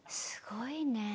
すごいね。